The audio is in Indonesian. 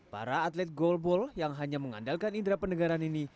para atlet goalball yang hanya mengandalkan indera pendengaran ini